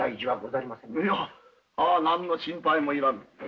いや何の心配もいらぬ。